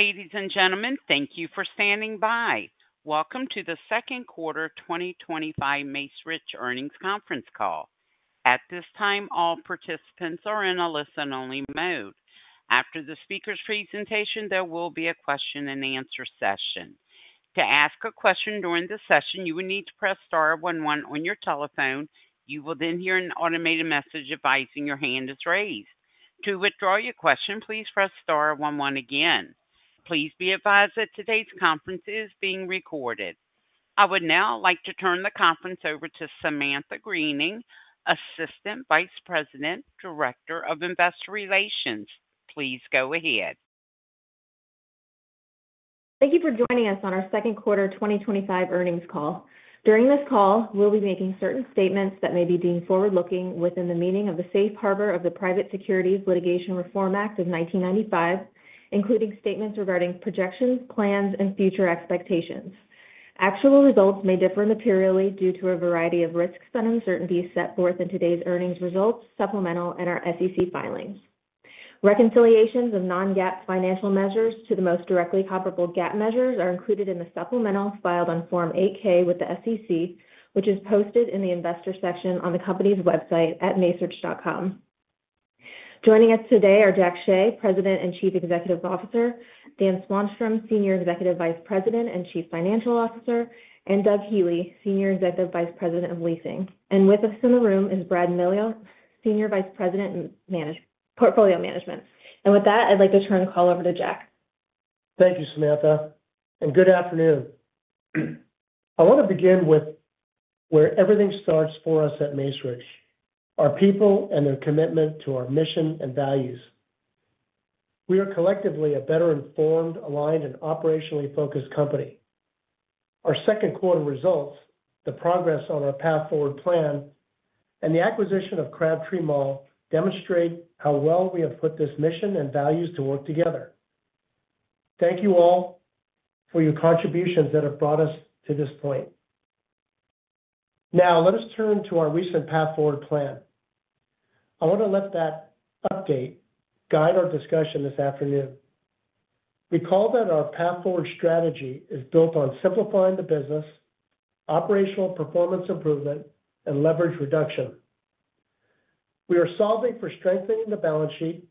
Ladies and gentlemen, thank you for standing by. Welcome to the Second Quarter 2025 Macerich Earnings Conference Call. At this time, all participants are in a listen-only mode. After the speaker's presentation, there will be a question-and-answer session. To ask a question during the session, you will need to press star one one on your telephone. You will then hear an automated message advising your hand is raised. To withdraw your question, please press star one one again. Please be advised that today's conference is being recorded. I would now like to turn the conference over to Samantha Greening, Assistant Vice President, Director of Investor Relations. Please go ahead Thank you for joining us on our Second Quarter 2025 Earnings Call. During this call, we'll be making certain statements that may be deemed forward-looking within the meaning of the safe harbor of the Private Securities Litigation Reform Act of 1995, including statements regarding projections, plans, and future expectations. Actual results may differ materially due to a variety of risks and uncertainties set forth in today's earnings results, supplemental, and our SEC filings. Reconciliations of non-GAAP financial measures to the most directly comparable GAAP measures are included in the supplemental filed on Form 8-K with the SEC, which is posted in the investor section on the company's website at macerich.com. Joining us today are Jack Hsieh, President and Chief Executive Officer, Dan Swanstrom, Senior Executive Vice President and Chief Financial Officer, and Doug Healey, Senior Executive Vice President of Leasing. With us in the room is Brad Miller, Senior Vice President in Portfolio Management. With that, I'd like to turn the call over to Jack. Thank you, Samantha, and good afternoon. I want to begin with where everything starts for us at Macerich: our people and their commitment to our mission and values. We are collectively a better informed, aligned, and operationally focused company. Our second quarter results, the progress on our Path-Forward plan, and the acquisition of Crabtree Mall demonstrate how well we have put this mission and values to work together. Thank you all for your contributions that have brought us to this point. Now, let us turn to our recent Path-Forward plan. I want to let that update guide our discussion this afternoon. Recall that our Path-Forward strategy is built on simplifying the business, operational performance improvement, and leverage reduction. We are solving for strengthening the balance sheet,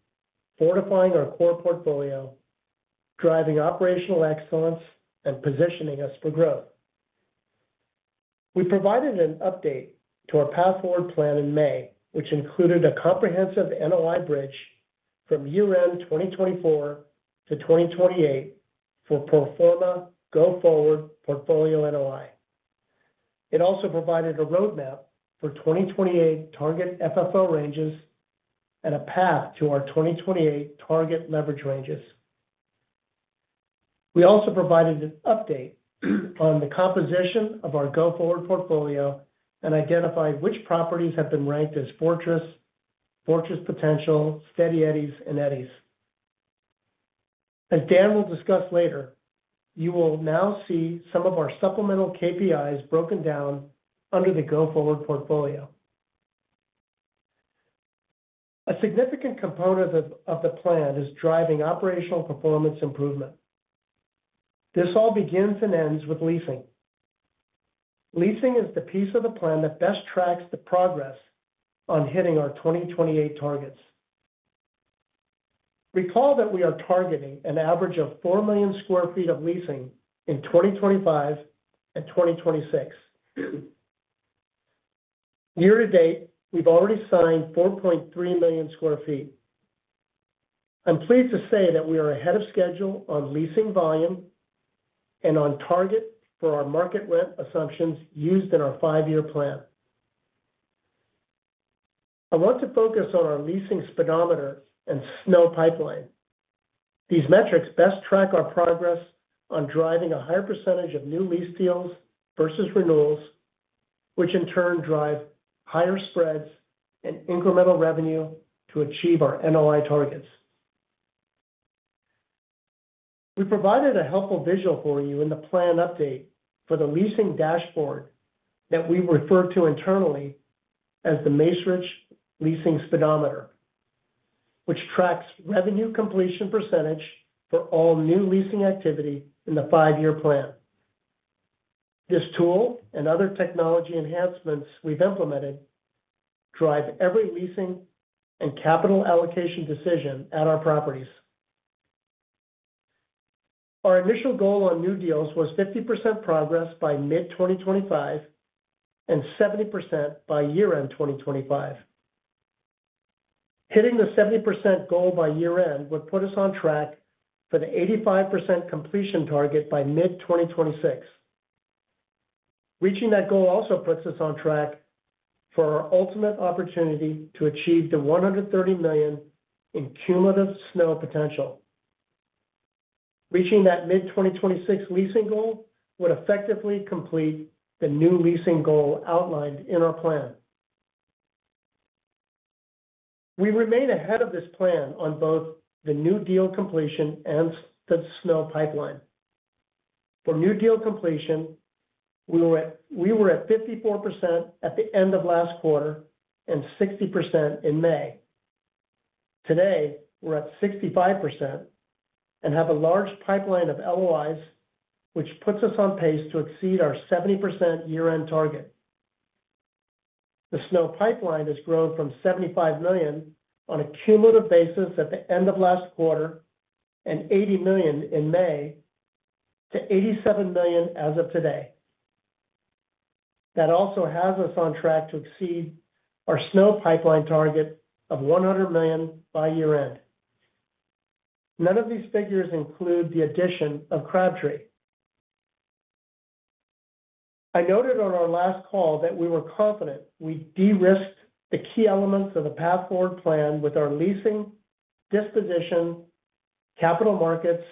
fortifying our core portfolio, driving operational excellence, and positioning us for growth. We provided an update to our Path-Forward plan in May, which included a comprehensive NOI bridge from year-end 2024 to 2028 for pro forma Go-Forward Portfolio NOI. It also provided a roadmap for 2028 target FFO ranges and a path to our 2028 target leverage ranges. We also provided an update on the composition of our Go-Forward Portfolio and identified which properties have been ranked as Fortress, Fortress Potential, Steady Eddies, and Eddies. As Dan will discuss later, you will now see some of our supplemental KPIs broken down under the Go-Forward Portfolio. A significant component of the plan is driving operational performance improvement. This all begins and ends with leasing. Leasing is the piece of the plan that best tracks the progress on hitting our 2028 targets. Recall that we are targeting an average of 4 million sq ft of leasing in 2025 and 2026. Year to date, we've already signed 4.3 million sq ft. I'm pleased to say that we are ahead of schedule on leasing volume and on target for our market rent assumptions used in our five-year plan. I want to focus on our leasing speedometer and SNO pipeline. These metrics best track our progress on driving a higher percentage of new lease deals versus renewals, which in turn drive higher spreads and incremental revenue to achieve our NOI targets. We provided a helpful visual for you in the plan update for the leasing dashboard that we refer to internally as the Macerich Leasing Speedometer, which tracks revenue completion percentage for all new leasing activity in the five-year plan. This tool and other technology enhancements we've implemented drive every leasing and capital allocation decision at our properties. Our initial goal on new deals was 50% progress by mid-2025 and 70% by year-end 2025. Hitting the 70% goal by year-end would put us on track for the 85% completion target by mid-2026. Reaching that goal also puts us on track for our ultimate opportunity to achieve the $130 million in cumulative SNO potential. Reaching that mid-2026 leasing goal would effectively complete the new leasing goal outlined in our plan. We remain ahead of this plan on both the new deal completion and the SNO pipeline. For new deal completion, we were at 54% at the end of last quarter and 60% in May. Today, we're at 65% and have a large pipeline of LOIs, which puts us on pace to exceed our 70% year-end target. The SNO pipeline has grown from $75 million on a cumulative basis at the end of last quarter and $80 million in May to $87 million as of today. That also has us on track to exceed our SNO pipeline target of $100 million by year-end. None of these figures include the addition of Crabtree. I noted on our last call that we were confident we de-risked the key elements of the Path-Forward plan with our leasing, disposition, capital markets,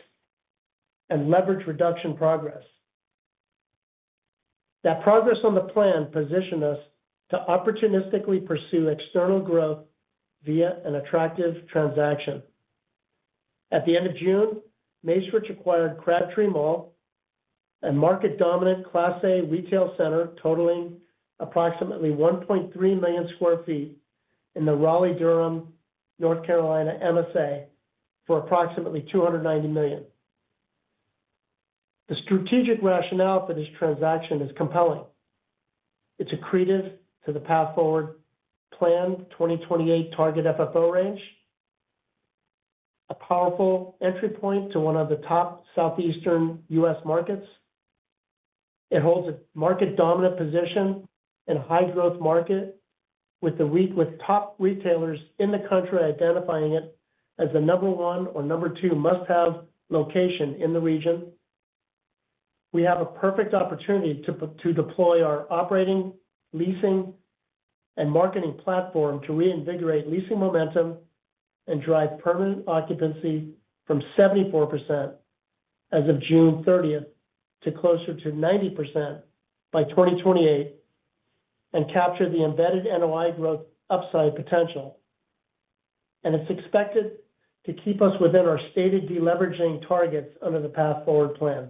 and leverage reduction progress. That progress on the plan positioned us to opportunistically pursue external growth via an attractive transaction. At the end of June, Macerich acquired Crabtree Mall, a market-dominant Class A retail center totaling approximately 1.3 million sq ft in the Raleigh-Durham, North Carolina MSA for approximately $290 million. The strategic rationale for this transaction is compelling. It's accretive to the Path-Forward planned 2028 target FFO range, a powerful entry point to one of the top Southeastern U.S. markets. It holds a market-dominant position in a high-growth market with top retailers in the country identifying it as the number one or number two must-have location in the region. We have a perfect opportunity to deploy our operating leasing and marketing platform to reinvigorate leasing momentum and drive permanent occupancy from 74% as of June 30th to closer to 90% by 2028 and capture the embedded NOI growth upside potential. It is expected to keep us within our stated deleveraging targets under the Path-Forward plan.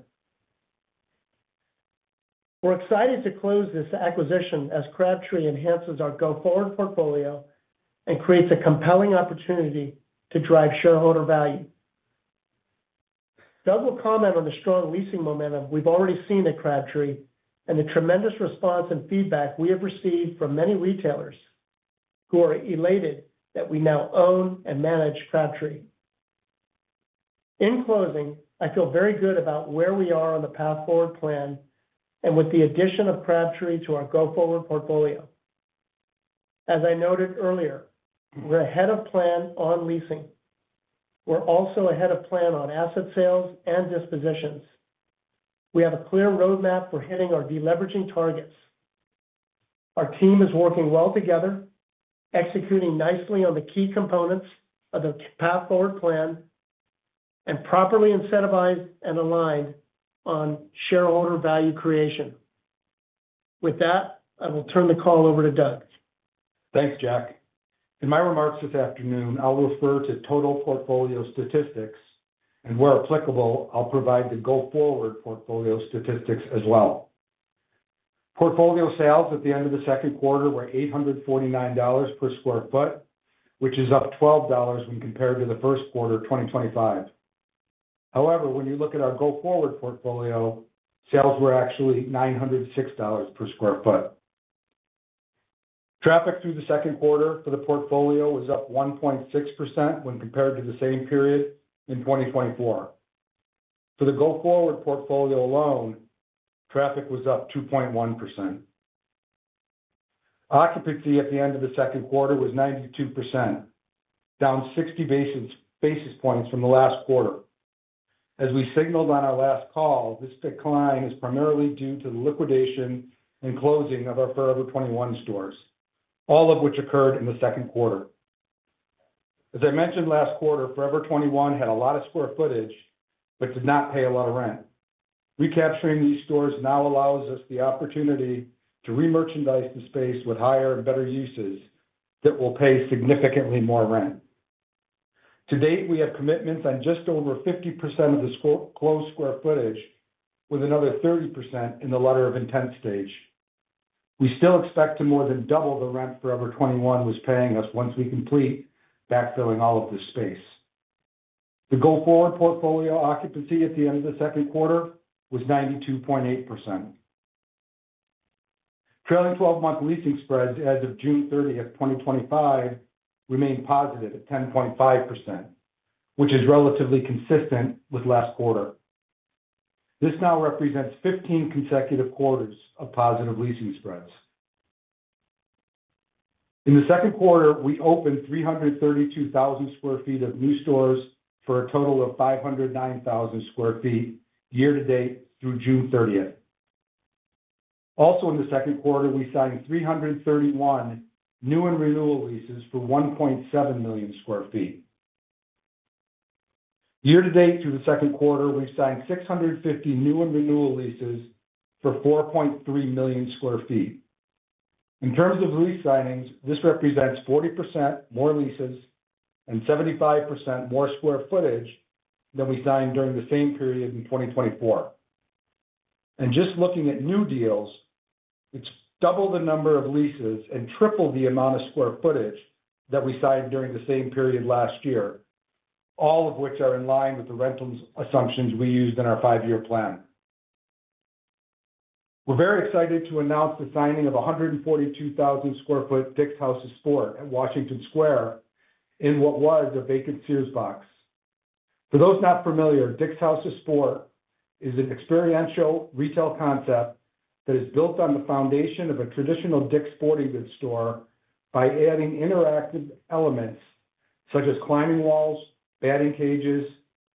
We're excited to close this acquisition as Crabtree enhances our Go-Forward Portfolio and creates a compelling opportunity to drive shareholder value. Doug will comment on the strong leasing momentum we've already seen at Crabtree and the tremendous response and feedback we have received from many retailers who are elated that we now own and manage Crabtree. In closing, I feel very good about where we are on the Path-Forward plan and with the addition of Crabtree to our Go-Forward Portfolio. As I noted earlier, we're ahead of plan on leasing. We're also ahead of plan on asset sales and dispositions. We have a clear roadmap for hitting our deleveraging targets. Our team is working well together, executing nicely on the key components of the Path-Forward plan and properly incentivized and aligned on shareholder value creation. With that, I will turn the call over to Doug. Thanks, Jack. In my remarks this afternoon, I'll refer to total portfolio statistics, and where applicable, I'll provide the Go-Forward Portfolio statistics as well. Portfolio sales at the end of the second quarter were $849 per square foot, which is up $12 when compared to the first quarter of 2025. However, when you look at our Go-Forward Portfolio, sales were actually $906 per square foot. Traffic through the second quarter for the portfolio was up 1.6% when compared to the same period in 2024. For the Go-Forward Portfolio alone, traffic was up 2.1%. Occupancy at the end of the second quarter was 92%, down 60 basis points from the last quarter. As we signaled on our last call, this decline is primarily due to the liquidation and closing of our Forever 21 stores, all of which occurred in the second quarter. As I mentioned last quarter, Forever 21 had a lot of square footage but did not pay a lot of rent. Recapturing these stores now allows us the opportunity to remerchandise the space with higher and better uses that will pay significantly more rent. To date, we have commitments on just over 50% of the closed square footage, with another 30% in the letter of intent stage. We still expect to more than double the rent Forever 21 was paying us once we complete backfilling all of this space. The Go-Forward Portfolio occupancy at the end of the second quarter was 92.8%. Trailing 12-month leasing spreads as of June 30th, 2025 remain positive at 10.5%, which is relatively consistent with last quarter. This now represents 15 consecutive quarters of positive leasing spreads. In the second quarter, we opened 332,000 sq ft of new stores for a total of 509,000 sq ft year to date through June 30th. Also, in the second quarter, we signed 331 new and renewal leases for 1.7 million sq ft. Year to date through the second quarter, we've signed 650 new and renewal leases for 4.3 million sq ft. In terms of lease signings, this represents 40% more leases and 75% more square footage than we signed during the same period in 2024. Just looking at new deals, it's double the number of leases and triple the amount of square footage that we signed during the same period last year, all of which are in line with the rental assumptions we used in our five-year plan. We're very excited to announce the signing of 142,000 sq ft Dick's House of Sport at Washington Square in what was a vacant Sears box. For those not familiar, Dick's House of Sport is an experiential retail concept that is built on the foundation of a traditional Dick's Sporting Goods store by adding interactive elements such as climbing walls, batting cages,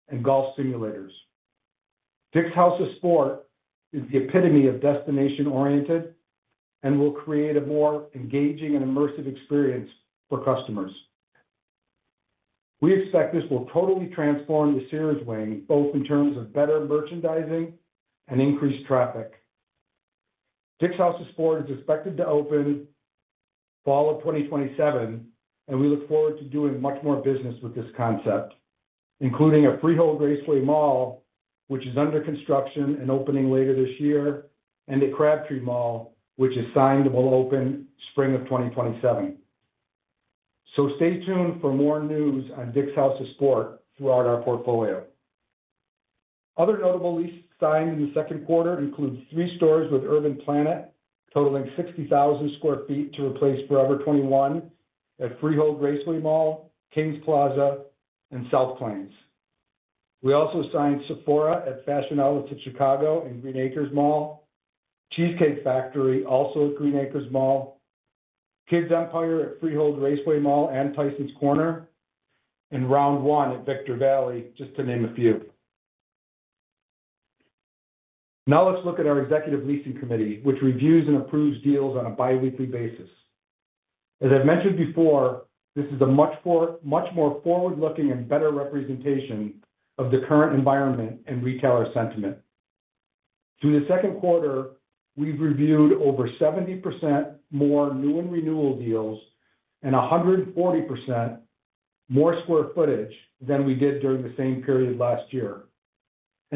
and golf simulators. Dick's House of Sport is the epitome of destination-oriented and will create a more engaging and immersive experience for customers. We expect this will totally transform the Sears wing, both in terms of better merchandising and increased traffic. Dick's House of Sport is expected to open in the fall of 2027, and we look forward to doing much more business with this concept, including at Freehold Raceway Mall, which is under construction and opening later this year, and at Crabtree Mall, which is signed and will open spring of 2027. Stay tuned for more news on Dick's House of Sport throughout our portfolio. Other notable leases signed in the second quarter include three stores with Urban Planet totaling 60,000 sq ft to replace Forever 21 at Freehold Raceway Mall, Kings Plaza, and South Plains. We also signed Sephora at Fashion Outlets of Chicago and Green Acres Mall, Cheesecake Factory also at Green Acres Mall, Kids Empire at Freehold Raceway Mall and Tysons Corner, and Round One at Victor Valley, just to name a few. Now let's look at our Executive Leasing Committee, which reviews and approves deals on a bi-weekly basis. As I've mentioned before, this is a much more forward-looking and better representation of the current environment and retailer sentiment. Through the second quarter, we've reviewed over 70% more new and renewal deals and 140% more square footage than we did during the same period last year.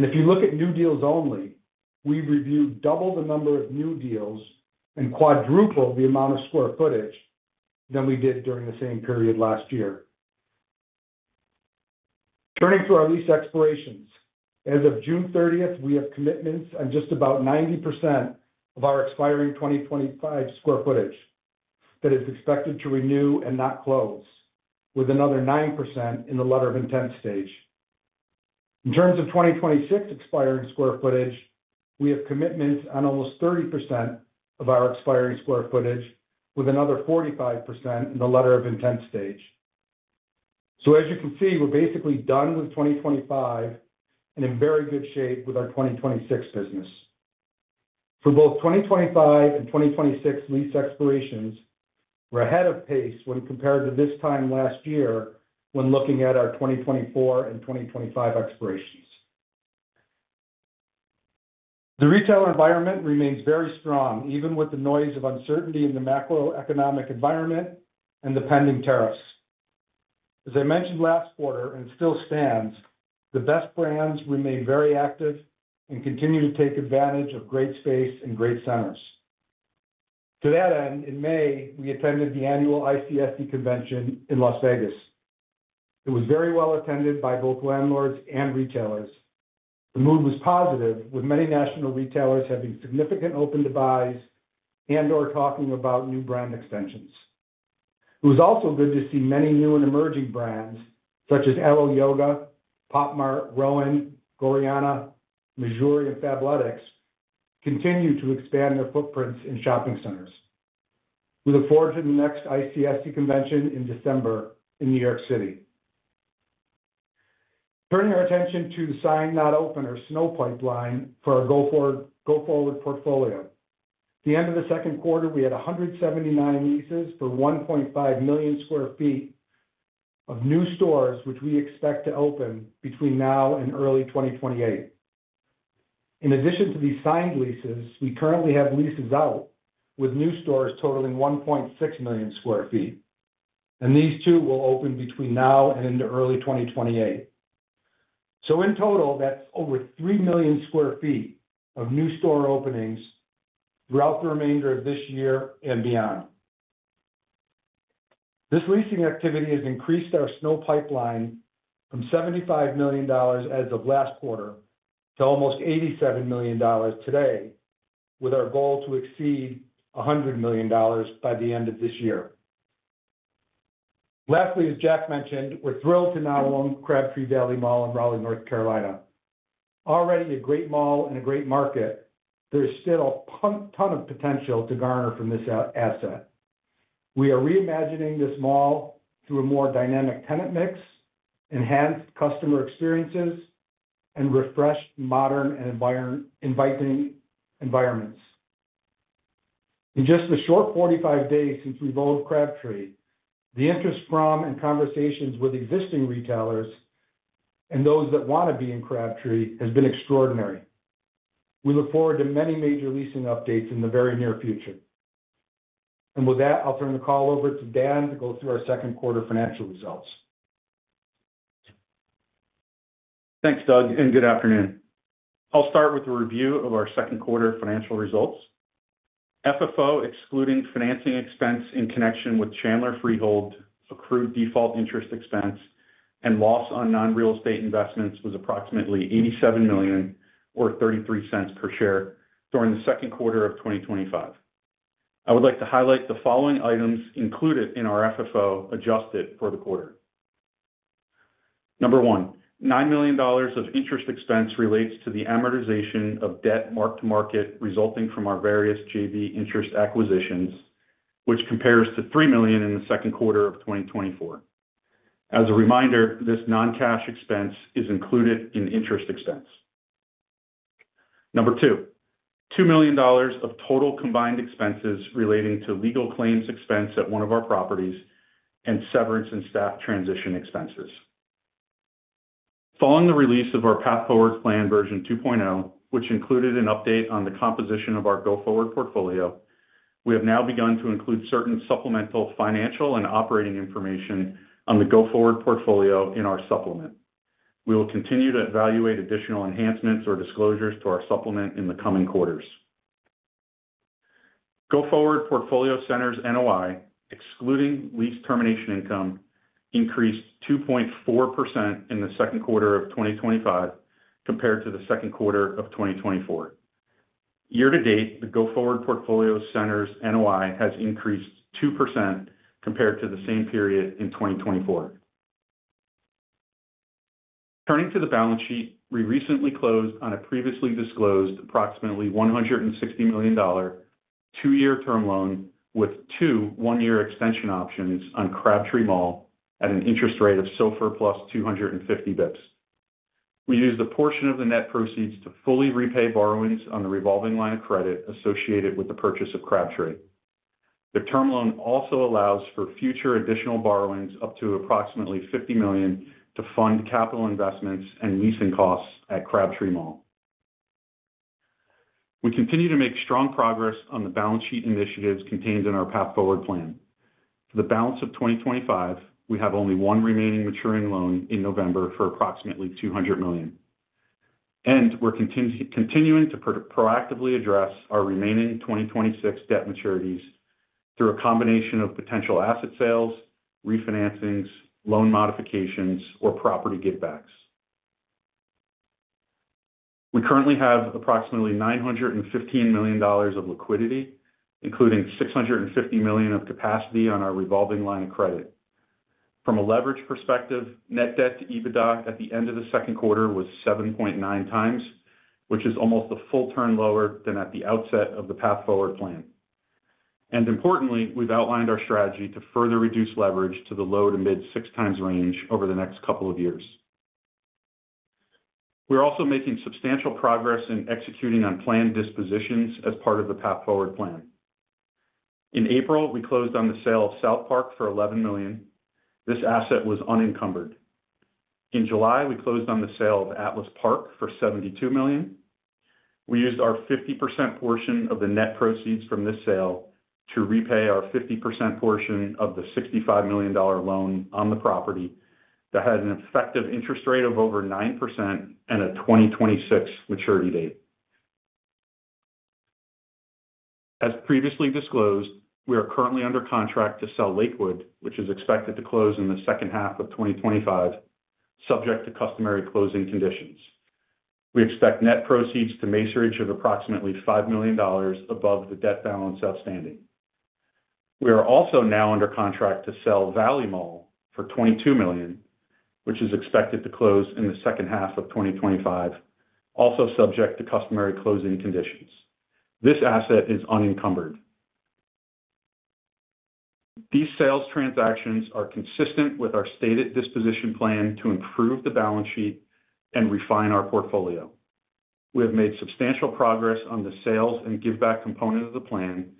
If you look at new deals only, we reviewed double the number of new deals and quadrupled the amount of square footage than we did during the same period last year. Turning to our lease expirations, as of June 30th, we have commitments on just about 90% of our expiring 2025 square footage that is expected to renew and not close, with another 9% in the letter of intent stage. In terms of 2026 expiring square footage, we have commitments on almost 30% of our expiring square footage, with another 45% in the letter of intent stage. As you can see, we're basically done with 2025 and in very good shape with our 2026 business. For both 2025 and 2026 lease expirations, we're ahead of pace when compared to this time last year when looking at our 2024 and 2025 expirations. The retail environment remains very strong, even with the noise of uncertainty in the macroeconomic environment and the pending tariffs. As I mentioned last quarter and still stands, the best brands remain very active and continue to take advantage of great space and great centers. To that end, in May, we attended the annual ICSC convention in Las Vegas. It was very well attended by both landlords and retailers. The mood was positive, with many national retailers having significant open to buys and/or talking about new brand extensions. It was also good to see many new and emerging brands such as Alo Yoga, Popmart, Rowan, Gorjana, Missouri, and Fabletics continue to expand their footprints in shopping centers. We look forward to the next ICSC convention in December in New York City. Turning our attention to the signed not open or SNO pipeline for our Go-Forward Portfolio. At the end of the second quarter, we had 179 leases for 1.5 million sq ft of new stores, which we expect to open between now and early 2028. In addition to these signed leases, we currently have leases out with new stores totaling 1.6 million sq ft, and these too will open between now and into early 2028. In total, that's over 3 million sq ft of new store openings throughout the remainder of this year and beyond. This leasing activity has increased our SNO pipeline from $75 million as of last quarter to almost $87 million today, with our goal to exceed $100 million by the end of this year. Lastly, as Jack mentioned, we're thrilled to now own Crabtree Valley Mall in Raleigh, North Carolina. Already a great mall and a great market, there's still a ton of potential to garner from this asset. We are reimagining this mall through a more dynamic tenant mix, enhanced customer experiences, and refreshed, modern, and inviting environments. In just the short 45 days since we've owned Crabtree, the interest from and conversations with existing retailers and those that want to be in Crabtree has been extraordinary. We look forward to many major leasing updates in the very near future. With that, I'll turn the call over to Dan to go through our second quarter financial results. Thanks, Doug, and good afternoon. I'll start with a review of our second quarter financial results. FFO excluding financing expense in connection with Chandler Freehold accrued default interest expense and loss on non-real estate investments was approximately $87 million or $0.33 per share during the second quarter of 2025. I would like to highlight the following items included in our FFO adjusted for the quarter. Number one, $9 million of interest expense relates to the amortization of debt mark-to-market resulting from our various JV interest acquisitions, which compares to $3 million in the second quarter of 2024. As a reminder, this non-cash expense is included in interest expense. Number two, $2 million of total combined expenses relating to legal claims expense at one of our properties and severance and staff transition expenses. Following the release of our Path-Forward plan version 2.0, which included an update on the composition of our Go-Forward Portfolio, we have now begun to include certain supplemental financial and operating information on the Go-Forward Portfolio in our supplement. We will continue to evaluate additional enhancements or disclosures to our supplement in the coming quarters. Go-Forward Portfolio centers NOI, excluding lease termination income, increased 2.4% in the second quarter of 2025 compared to the second quarter of 2024. Year to date, the Go-Forward Portfolio centers NOI has increased 2% compared to the same period in 2024. Turning to the balance sheet, we recently closed on a previously disclosed approximately $160 million two-year term loan with two one-year extension options on Crabtree Mall at an interest rate of SOFR plus 250 bps. We used a portion of the net proceeds to fully repay borrowings on the revolving line of credit associated with the purchase of Crabtree. The term loan also allows for future additional borrowings up to approximately $50 million to fund capital investments and leasing costs at Crabtree Mall. We continue to make strong progress on the balance sheet initiatives contained in our Path-Forward plan. For the balance of 2025, we have only one remaining maturing loan in November for approximately $200 million. We are continuing to proactively address our remaining 2026 debt maturities through a combination of potential asset sales, refinancings, loan modifications, or property givebacks. We currently have approximately $915 million of liquidity, including $650 million of capacity on our revolving line of credit. From a leverage perspective, net debt to EBITDA at the end of the second quarter was 7.9x, which is almost a full turn lower than at the outset of the Path-Forward plan. Importantly, we've outlined our strategy to further reduce leverage to the low to mid-six times range over the next couple of years. We're also making substantial progress in executing on planned dispositions as part of the Path-Forward plan. In April, we closed on the sale of South Park for $11 million. This asset was unencumbered. In July, we closed on the sale of Atlas Park for $72 million. We used our 50% portion of the net proceeds from this sale to repay our 50% portion of the $65 million loan on the property that had an effective interest rate of over 9% and a 2026 maturity date. As previously disclosed, we are currently under contract to sell Lakewood, which is expected to close in the second half of 2025, subject to customary closing conditions. We expect net proceeds to Macerich of approximately $5 million above the debt balance outstanding. We are also now under contract to sell Valley Mall for $22 million, which is expected to close in the second half of 2025, also subject to customary closing conditions. This asset is unencumbered. These sales transactions are consistent with our stated disposition plan to improve the balance sheet and refine our portfolio. We have made substantial progress on the sales and giveback component of the plan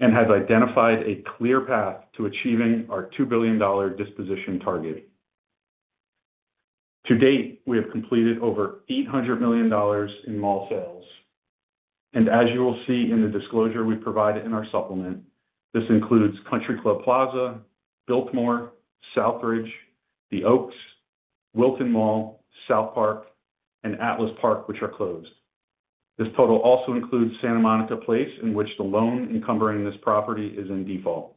and have identified a clear path to achieving our $2 billion disposition target. To date, we have completed over $800 million in mall sales. As you will see in the disclosure we provided in our supplement, this includes Country Club Plaza, Biltmore, Southridge, The Oaks, Wilton Mall, South Park, and Atlas Park, which are closed. This total also includes Santa Monica Place, in which the loan encumbering this property is in default.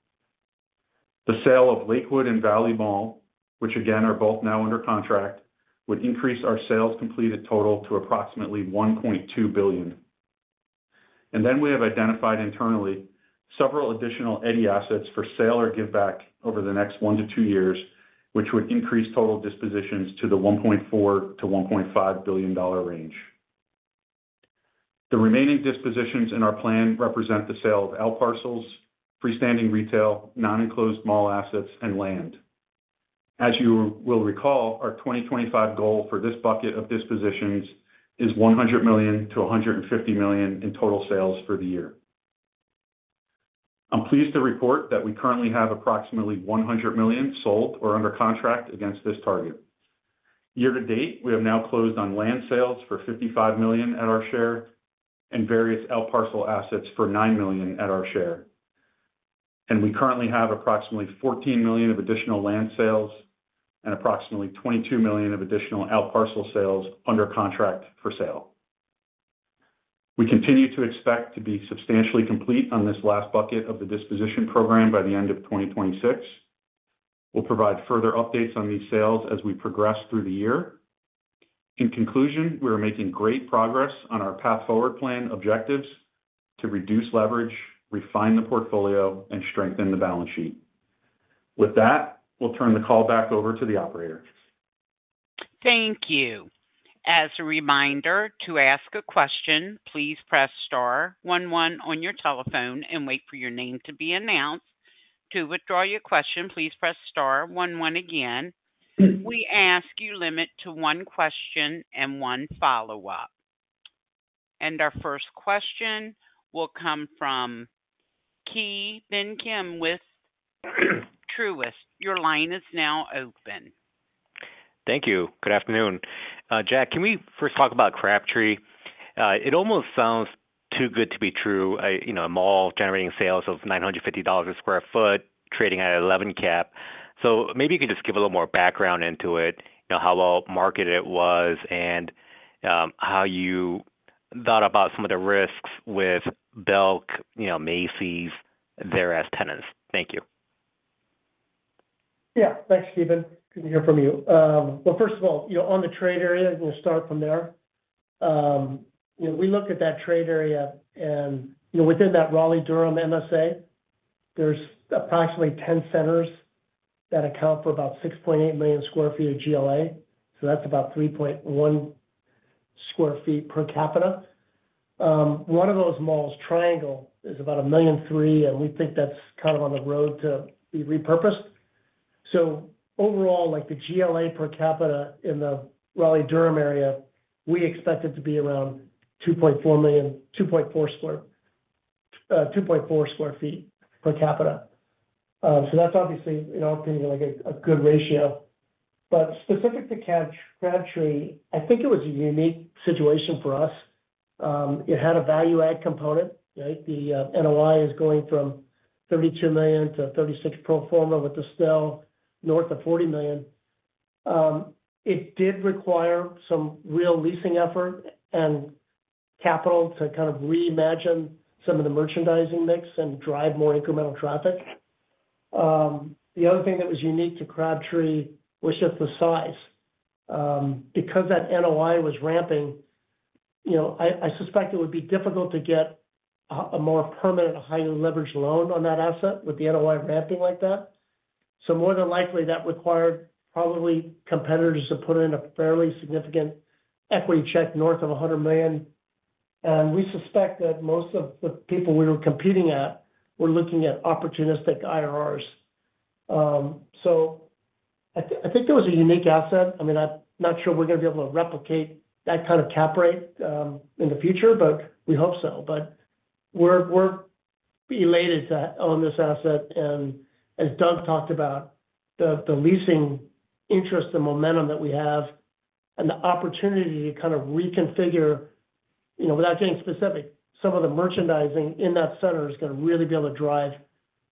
The sale of Lakewood and Valley Mall, which again are both now under contract, would increase our sales completed total to approximately $1.2 billion. We have identified internally several additional Eddie assets for sale or giveback over the next one to two years, which would increase total dispositions to the $1.4 billion-$1.5 billion range. The remaining dispositions in our plan represent the sale of out parcels, freestanding retail, non-enclosed mall assets, and land. As you will recall, our 2025 goal for this bucket of dispositions is $100 million-$150 million in total sales for the year. I'm pleased to report that we currently have approximately $100 million sold or under contract against this target. Year to date, we have now closed on land sales for $55 million at our share and various out parcel assets for $9 million at our share. We currently have approximately $14 million of additional land sales and approximately $22 million of additional out parcel sales under contract for sale. We continue to expect to be substantially complete on this last bucket of the disposition program by the end of 2026. We'll provide further updates on these sales as we progress through the year. In conclusion, we are making great progress on our Path-Forward plan objectives to reduce leverage, refine the portfolio, and strengthen the balance sheet. With that, we'll turn the call back over to the operator. Thank you. As a reminder, to ask a question, please press star one one on your telephone and wait for your name to be announced. To withdraw your question, please press star one one again. We ask you to limit to one question and one follow-up. Our first question will come from Ki Bin Kim with Truist. Your line is now open. Thank you. Good afternoon. Jack, can we first talk about Crabtree? It almost sounds too good to be true. You know, a mall generating sales of $950 a square foot, trading at 11% cap. Maybe you could just give a little more background into it, you know, how well marketed it was and how you thought about some of the risks with Belk, you know, Macy's there as tenants. Thank you. Yeah, thanks, Ki Bin. Good to hear from you. First of all, on the trade area, we'll start from there. We look at that trade area and, within that Raleigh-Durham MSA, there's approximately 10 centers that account for about 6.8 million sq ft of GL.A.. That's about 3.1 sq ft per capita. One of those malls, Triangle, is about 1.3 million sq ft, and we think that's kind of on the road to be repurposed. Overall, the GL.A. per capita in the Raleigh-Durham area, we expect it to be around 2.4 sq ft per capita. That's obviously, in our opinion, a good ratio. Specific to Crabtree, I think it was a unique situation for us. It had a value-add component, right? The NOI is going from $32 million to $36 million pro forma with the SNO north of $40 million. It did require some real leasing effort and capital to kind of reimagine some of the merchandising mix and drive more incremental traffic. The other thing that was unique to Crabtree was just the size. Because that NOI was ramping, I suspect it would be difficult to get a more permanent, highly leveraged loan on that asset with the NOI ramping like that. More than likely, that required probably competitors to put in a fairly significant equity check north of $100 million. We suspect that most of the people we were competing at were looking at opportunistic IRRs. I think it was a unique asset. I'm not sure we're going to be able to replicate that kind of cap rate in the future, but we hope so. We're elated to own this asset. As Doug talked about, the leasing interest, the momentum that we have, and the opportunity to kind of reconfigure, without getting specific, some of the merchandising in that center is going to really be able to drive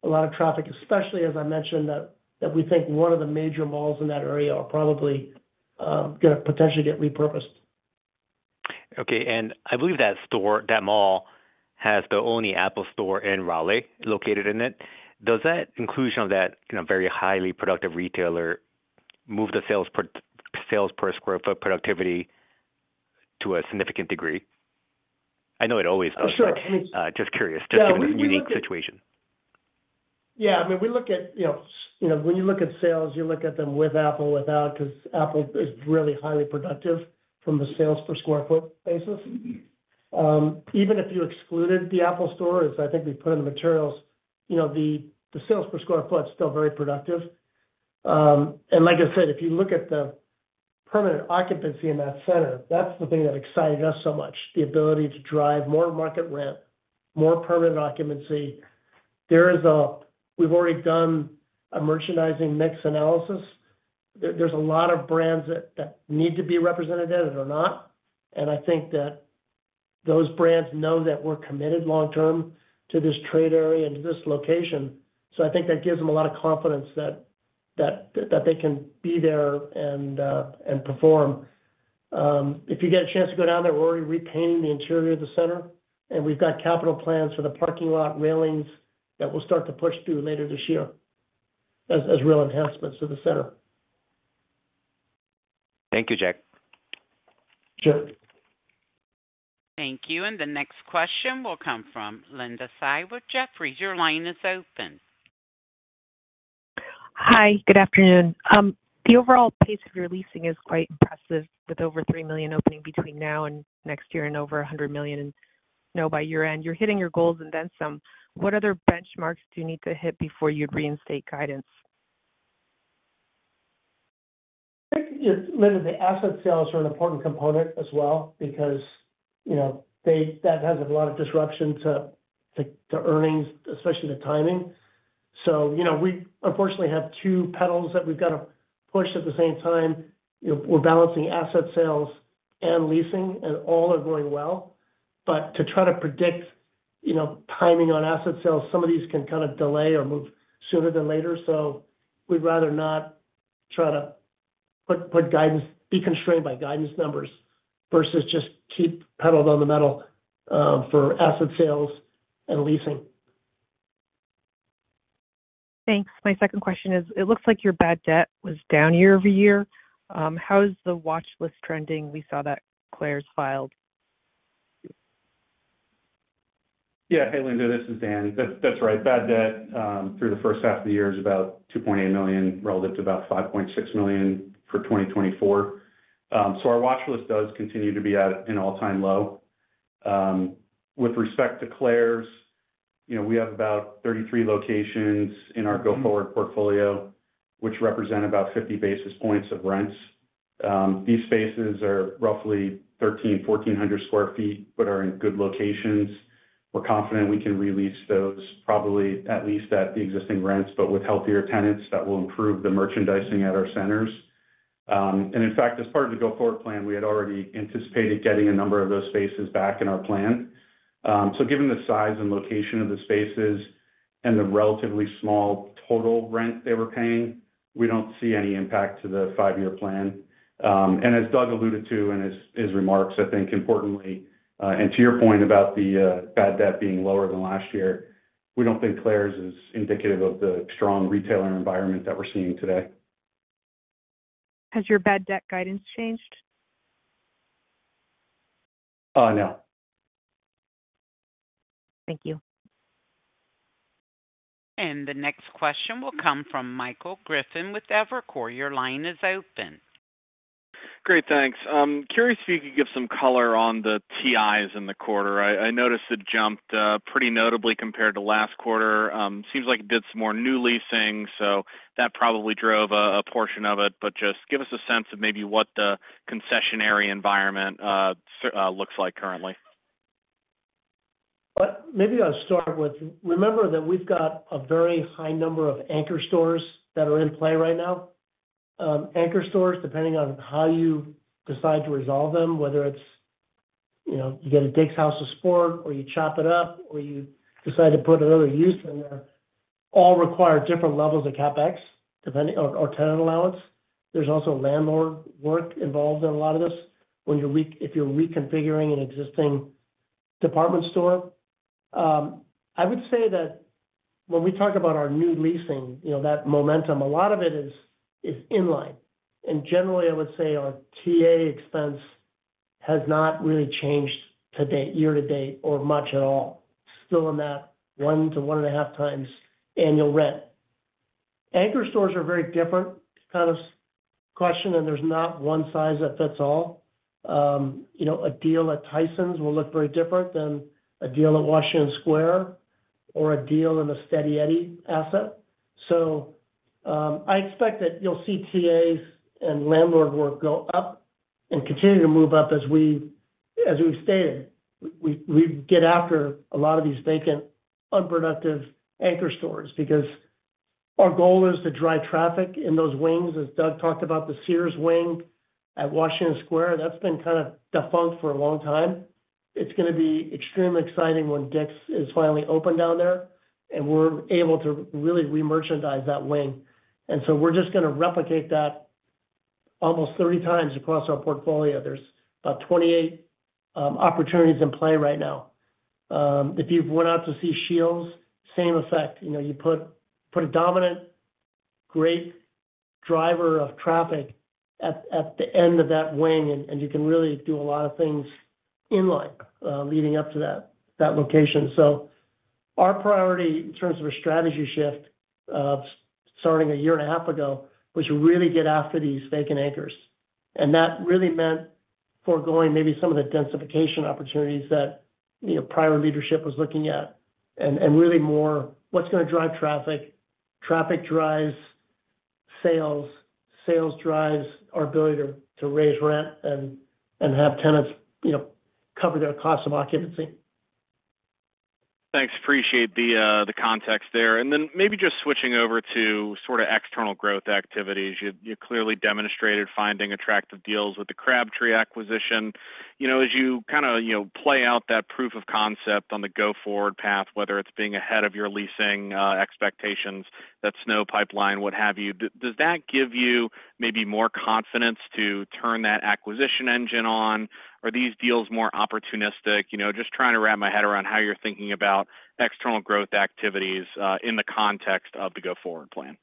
a lot of traffic, especially as I mentioned that we think one of the major malls in that area is probably going to potentially get repurposed. Okay. I believe that mall has the only Apple Store in Raleigh located in it. Does that inclusion of that, you know, very highly productive retailer move the sales per square foot productivity to a significant degree? I know it always does. Sure. Just curious, just in a unique situation. Yeah, I mean, we look at, you know, when you look at sales, you look at them with Apple, without, because Apple is really highly productive from the sales per square foot basis. Even if you excluded the Apple Store, as I think we put in the materials, the sales per square foot is still very productive. Like I said, if you look at the permanent occupancy in that center, that's the thing that excited us so much, the ability to drive more market rent, more permanent occupancy. We've already done a merchandising mix analysis. There's a lot of brands that need to be represented there that are not. I think that those brands know that we're committed long-term to this trade area and to this location. I think that gives them a lot of confidence that they can be there and perform. If you get a chance to go down there, we're already repainting the interior of the center. We've got capital plans for the parking lot railings that we'll start to push through later this year as real enhancements to the center. Thank you, Jack. Sure. Thank you. The next question will come from Linda Tsai with Jefferies. Your line is open. Hi, good afternoon. The overall pace of your leasing is quite impressive, with over $3 million opening between now and next year and over $100 million by year-end. You're hitting your goals and then some. What other benchmarks do you need to hit before you'd reinstate guidance? The asset sales are an important component as well because that has a lot of disruption to earnings, especially the timing. We unfortunately have two pedals that we've got to push at the same time. We're balancing asset sales and leasing, and all are going well. To try to predict timing on asset sales, some of these can kind of delay or move sooner than later. We'd rather not try to put guidance, be constrained by guidance numbers versus just keep pedal to the metal for asset sales and leasing. Thanks. My second question is, it looks like your bad debt was down year-over-year. How is the watchlist trending? We saw that Claire's filed. Yeah. Hey, Linda, this is Dan. That's right. Bad debt through the first half of the year is about $2.8 million relative to about $5.6 million for 2024. Our watchlist does continue to be at an all-time low. With respect to Claire's, we have about 33 locations in our Go-Forward Portfolio, which represent about 50 basis points of rents. These spaces are roughly 1,300 sq ft, 1,400 sq ft, but are in good locations. We're confident we can release those probably at least at the existing rents, with healthier tenants that will improve the merchandising at our centers. In fact, as part of the Go-Forward plan, we had already anticipated getting a number of those spaces back in our plan. Given the size and location of the spaces and the relatively small total rent they were paying, we don't see any impact to the five-year plan. As Doug alluded to in his remarks, I think importantly, and to your point about the bad debt being lower than last year, we don't think Claire's is indicative of the strong retailer environment that we're seeing today. Has your bad debt guidance changed? No. Thank you. The next question will come from Michael Griffin with Evercore. Your line is open. Great, thanks. I'm curious if you could give some color on the TIs in the quarter. I noticed it jumped pretty notably compared to last quarter. It seems like it did some more new leasing, so that probably drove a portion of it, but just give us a sense of maybe what the concessionary environment looks like currently. Maybe I'll start with, remember that we've got a very high number of anchor stores that are in play right now. Anchor stores, depending on how you decide to resolve them, whether it's, you know, you get a Dick's House of Sport or you chop it up or you decide to put another use in there, all require different levels of CapEx or tenant allowance. There's also landlord work involved in a lot of this when you're, if you're reconfiguring an existing department store. I would say that when we talk about our new leasing, you know, that momentum, a lot of it is inline. Generally, I would say our TA expense has not really changed to date, year to date, or much at all. Still in that one to one and a half times annual rent. Anchor stores are very different, kind of question, and there's not one size that fits all. You know, a deal at Tyson's will look very different than a deal at Washington Square or a deal in a Steady Eddy asset. I expect that you'll see TAs and landlord work go up and continue to move up as we, as we've stated, we get after a lot of these vacant, unproductive anchor stores because our goal is to drive traffic in those wings. As Doug talked about, the Sears wing at Washington Square, that's been kind of defunct for a long time. It's going to be extremely exciting when Dick's is finally open down there and we're able to really remerchandise that wing. We're just going to replicate that almost 30 times across our portfolio. There's about 28 opportunities in play right now. If you went out to see Shields, same effect. You know, you put a dominant, great driver of traffic at the end of that wing, and you can really do a lot of things inline leading up to that location. Our priority in terms of a strategy shift of starting a year and a half ago was to really get after these vacant anchors. That really meant foregoing maybe some of the densification opportunities that prior leadership was looking at and really more what's going to drive traffic. Traffic drives sales. Sales drives our ability to raise rent and have tenants, you know, cover their cost of occupancy. Thanks. Appreciate the context there. Maybe just switching over to sort of external growth activities. You clearly demonstrated finding attractive deals with the Crabtree acquisition. As you kind of play out that proof of concept on the Go-Forward path, whether it's being ahead of your leasing expectations, that SNO pipeline, what have you, does that give you maybe more confidence to turn that acquisition engine on? Are these deals more opportunistic? Just trying to wrap my head around how you're thinking about external growth activities in the context of the Go-Forward plan.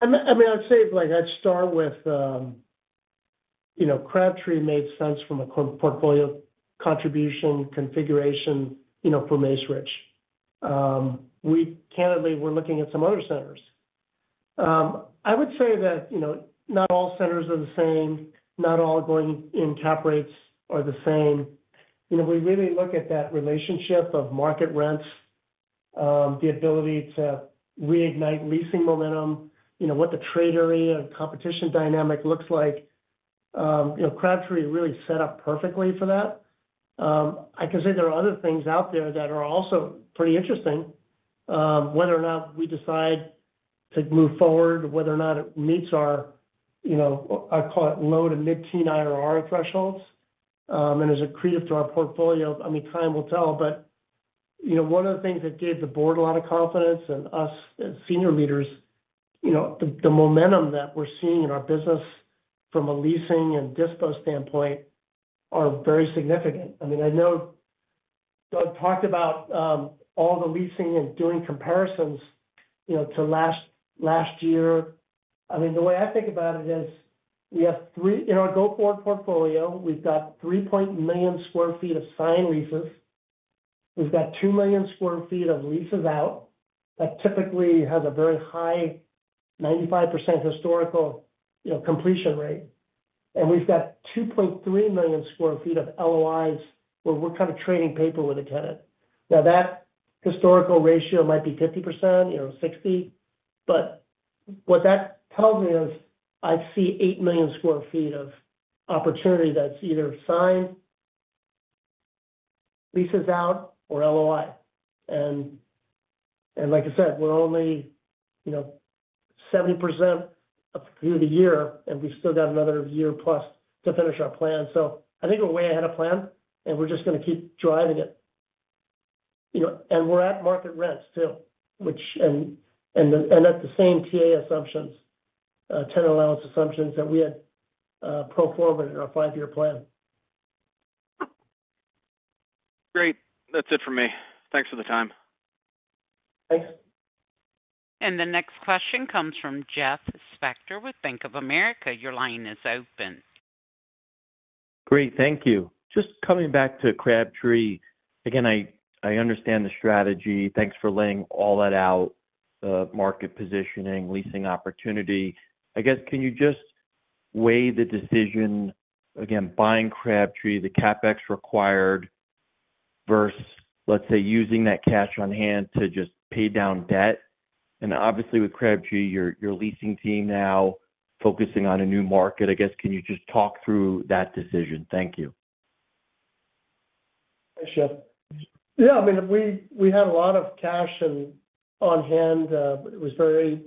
I mean, I'd say I'd start with, you know, Crabtree made sense from a portfolio contribution configuration, you know, for Macerich. We candidly were looking at some other centers. I would say that not all centers are the same. Not all going in cap rates are the same. We really look at that relationship of market rents, the ability to reignite leasing momentum, what the trade area and competition dynamic looks like. Crabtree really set up perfectly for that. I can say there are other things out there that are also pretty interesting. Whether or not we decide to move forward, whether or not it meets our, you know, I call it low to mid-teen IRR thresholds, and is accretive to our portfolio, time will tell. One of the things that gave the board a lot of confidence and us as senior leaders, the momentum that we're seeing in our business from a leasing and dispo standpoint are very significant. I know Doug talked about all the leasing and doing comparisons to last year. The way I think about it is we have, you know, a Go-Forward Portfolio. We've got 3.8 million sq ft of signed leases. We've got 2 million sq ft of leases out that typically has a very high 95% historical completion rate. We've got 2.3 million sq ft of LOIs where we're kind of trading paper with a tenant. Now that historical ratio might be 50%, 60%, but what that tells me is I see 8 million sq ft of opportunity that's either signed leases out or LOI. Like I said, we're only 70% up through the year, and we still got another year plus to finish our plan. I think we're way ahead of plan, and we're just going to keep driving it. We're at market rents too, and at the same TA assumptions, tenant allowance assumptions that we had proformed in our five-year plan. Great. That's it for me. Thanks for the time. The next question comes from Jeff Spector with Bank of America. Your line is open. Great, thank you. Just coming back to Crabtree. I understand the strategy. Thanks for laying all that out, the market positioning, leasing opportunity. Can you just weigh the decision, buying Crabtree, the CapEx required versus, let's say, using that cash on hand to just pay down debt? Obviously, with Crabtree, your leasing team now focusing on a new market. Can you just talk through that decision? Thank you. Thanks, Jeff. Yeah, I mean, we had a lot of cash on hand. It was very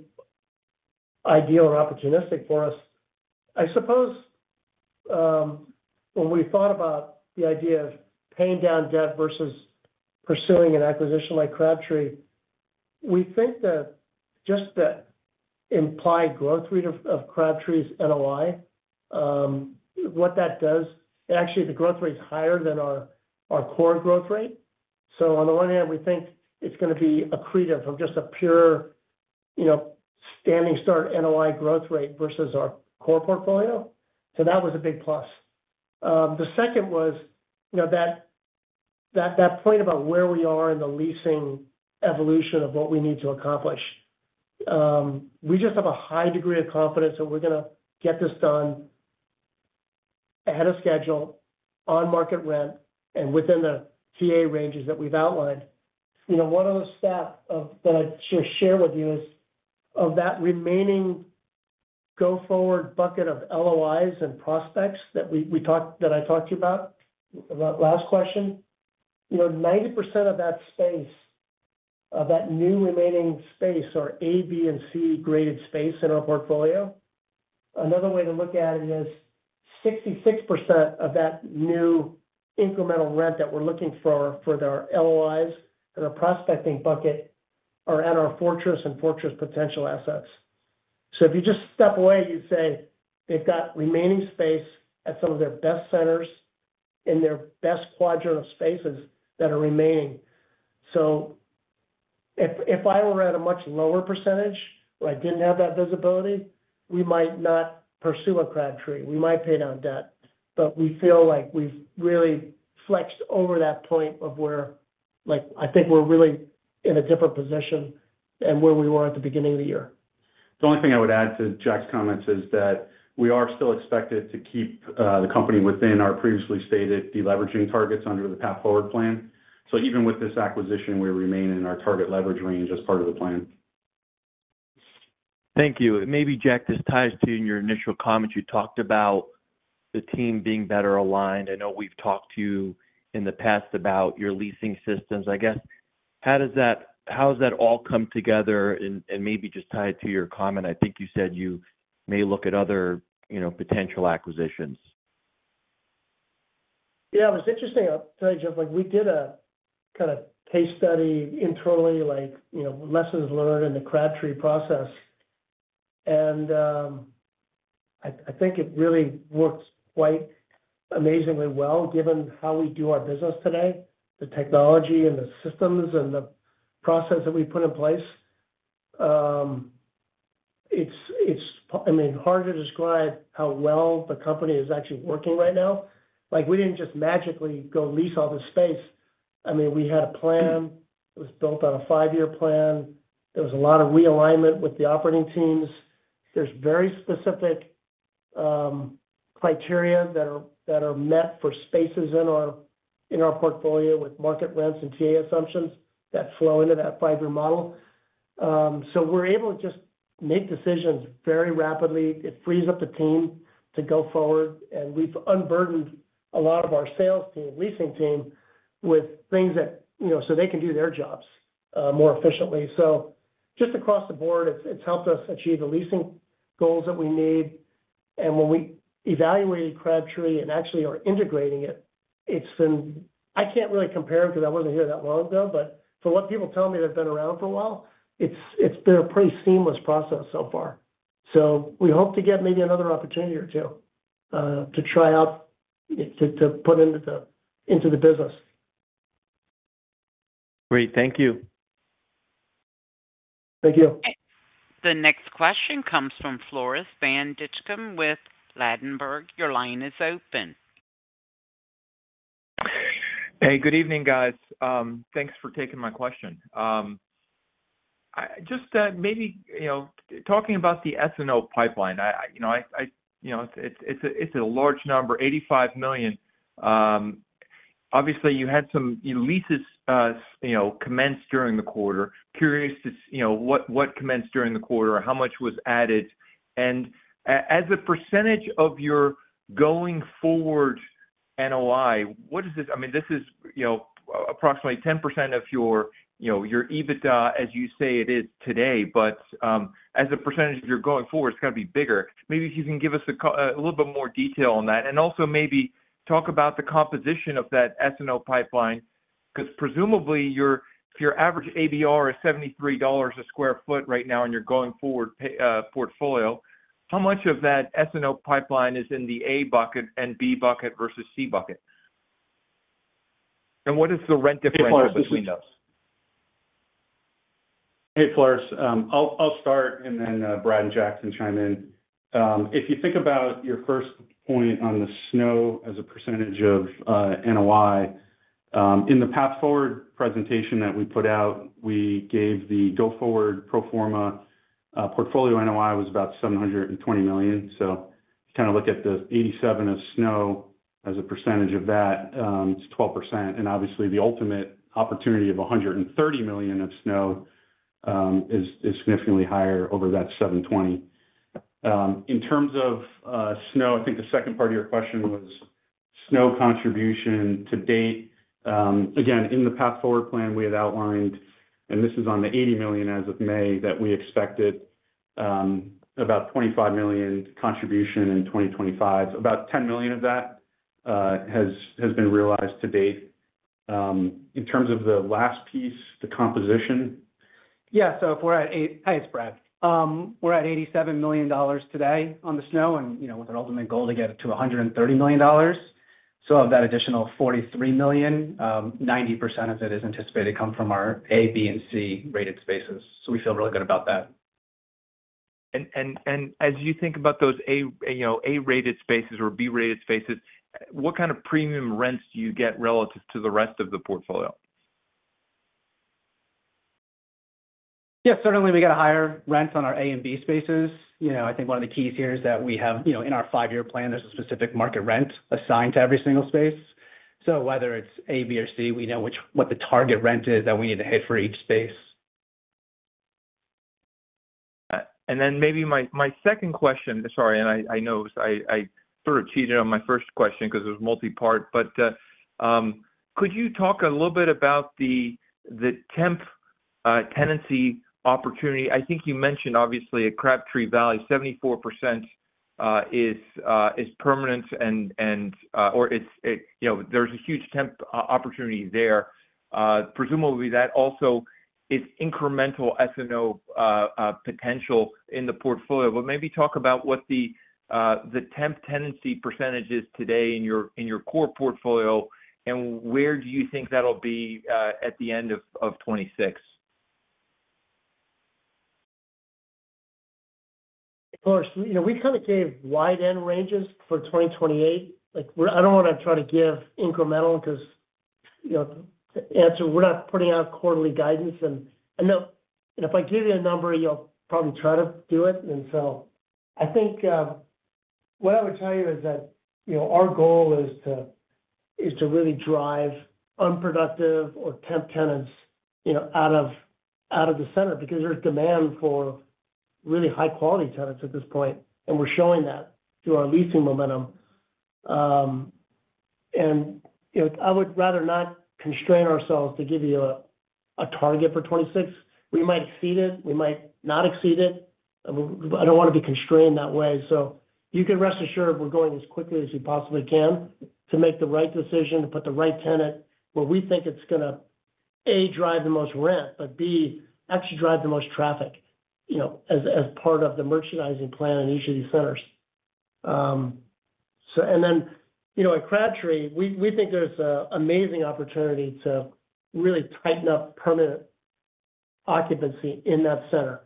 ideal and opportunistic for us. I suppose when we thought about the idea of paying down debt versus pursuing an acquisition like Crabtree, we think that just the implied growth rate of Crabtree's NOI, what that does, actually, the growth rate's higher than our core growth rate. On the one hand, we think it's going to be accretive of just a pure, you know, standing start NOI growth rate versus our core portfolio. That was a big plus. The second was that point about where we are in the leasing evolution of what we need to accomplish. We just have a high degree of confidence that we're going to get this done ahead of schedule, on market rent, and within the TA ranges that we've outlined. One of those stats that I'm sure shared with you is of that remaining Go-Forward bucket of LOIs and prospects that we talked, that I talked to you about, the last question. 90% of that space, of that new remaining space, are A, B, and C graded space in our portfolio. Another way to look at it is 66% of that new incremental rent that we're looking for for their LOIs and our prospecting bucket are at our fortress and fortress potential assets. If you just step away, you'd say they've got remaining space at some of their best centers in their best quadrant of spaces that are remaining. If I were at a much lower percentage, I didn't have that visibility, we might not pursue a Crabtree. We might pay down debt, but we feel like we've really flexed over that point of where, like, I think we're really in a different position than where we were at the beginning of the year. The only thing I would add to Jack's comments is that we are still expected to keep the company within our previously stated deleveraging targets under the Path-Forward plan. Even with this acquisition, we remain in our target leverage range as part of the plan. Thank you. Jack, this ties to you in your initial comments. You talked about the team being better aligned. I know we've talked to you in the past about your leasing systems. How does that all come together? Maybe just tie it to your comment. I think you said you may look at other potential acquisitions. Yeah, it was interesting. I'll tell you, Jeff, we did a kind of case study internally, like, you know, lessons learned in the Crabtree process. I think it really works quite amazingly well, given how we do our business today, the technology and the systems and the process that we put in place. It's hard to describe how well the company is actually working right now. We didn't just magically go lease all this space. We had a plan. It was built on a five-year plan. There was a lot of realignment with the operating teams. There are very specific criteria that are met for spaces in our portfolio with market rents and TA assumptions that flow into that five-year model. We're able to just make decisions very rapidly. It frees up the team to go forward. We've unburdened a lot of our sales team, leasing team, with things so they can do their jobs more efficiently. Just across the board, it's helped us achieve the leasing goals that we need. When we evaluated Crabtree and actually are integrating it, it's been, I can't really compare it because I wasn't here that long ago, but from what people tell me that have been around for a while, it's been a pretty seamless process so far. We hope to get maybe another opportunity or two to try out, to put into the business. Great. Thank you. Thank you. The next question comes from Floris van Dijkum with Ladenburg. Your line is open. Hey, good evening, guys. Thanks for taking my question. Just maybe, you know, talking about the SNO pipeline, you know, it's a large number, $85 million. Obviously, you had some new leases, you know, commenced during the quarter. Curious to, you know, what commenced during the quarter, how much was added? As a percentage of your going forward NOI, what is this? I mean, this is, you know, approximately 10% of your, you know, your EBITDA, as you say it is today. As a percentage of your going forward, it's got to be bigger. Maybe if you can give us a little bit more detail on that. Also maybe talk about the composition of that SNO pipeline, because presumably your average ABR is $73 a square foot right now in your Go-Forward Portfolio. How much of that SNO pipeline is in the A bucket and B bucket versus C bucket? What is the rent difference between those? Hey, Floris, I'll start and then Brad and Jackson chime in. If you think about your first point on the SNO as a percentage of NOI, in the Path-Forward presentation that we put out, we gave the Go-Forward pro forma portfolio NOI was about $720 million. If you kind of look at the $87 million of SNO as a percentage of that, it's 12%. Obviously, the ultimate opportunity of $130 million of SNO is significantly higher over that $720 million. In terms of SNO, I think the second part of your question was SNO contribution to date. Again, in the Path-Forward plan, we had outlined, and this is on the $80 million as of May, that we expected about $25 million contribution in 2025. About $10 million of that has been realized to date. In terms of the last piece, the composition. Yeah, so if we're at, hey, it's Brad. We're at $87 million today on the SNO, and you know, with our ultimate goal to get it to $130 million. Of that additional $43 million, 90% of it is anticipated to come from our A, B, and C-rated spaces. We feel really good about that. As you think about those A-rated spaces or B-rated spaces, what kind of premium rents do you get relative to the rest of the portfolio? Yeah, certainly we got a higher rent on our A and B spaces. I think one of the keys here is that we have, in our five-year plan, there's a specific market rent assigned to every single space. Whether it's A, B, or C, we know what the target rent is that we need to hit for each space. Maybe my second question, sorry, I know I sort of cheated on my first question because it was multi-part. Could you talk a little bit about the temp tenancy opportunity? I think you mentioned, obviously, at Crabtree Valley, 74% is permanent, or there's a huge temp opportunity there. Presumably, that also is incremental SNO potential in the portfolio. Maybe talk about what the temp tenancy percentage is today in your core portfolio and where you think that'll be at the end of 2026. Of course, we kind of gave wide end ranges for 2028. I don't know what I'm trying to give incremental because the answer, we're not putting out quarterly guidance. I know if I give you a number, you'll probably try to do it. I think what I would tell you is that our goal is to really drive unproductive or temp tenants out of the center because there's demand for really high-quality tenants at this point. We're showing that through our leasing momentum. I would rather not constrain ourselves to give you a target for 2026. We might exceed it. We might not exceed it. I don't want to be constrained that way. You can rest assured we're going as quickly as we possibly can to make the right decision to put the right tenant where we think it's going to, A, drive the most rent, but B, actually drive the most traffic as part of the merchandising plan in each of these centers. At Crabtree, we think there's an amazing opportunity to really tighten up permanent occupancy in that center.